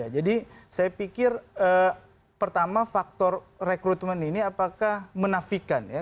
jadi saya pikir pertama faktor rekrutmen ini apakah menafikan ya